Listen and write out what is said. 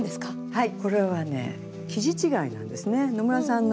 はい。